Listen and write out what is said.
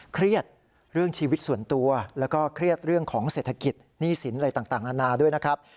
เครียดเรื่องชีวิตส่วนตัวแล้วก็เครียดเรื่องของเศรษฐกิจหนี้สินอะไรต่างนานาด้วยนะครับ